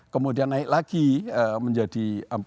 kemudian naik lagi menjadi empat delapan